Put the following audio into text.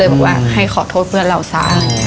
บอกว่าให้ขอโทษเพื่อนเราซะ